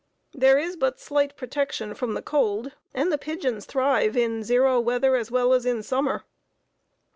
There is but slight protection from the cold, and the pigeons thrive in zero weather as well as in summer.